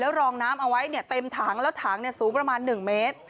รองน้ำเอาไว้เต็มถังแล้วถังสูงประมาณ๑เมตร